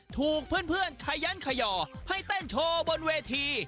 ถูกเพื่อนขยันขย่อให้เต้นโชว์บนเวที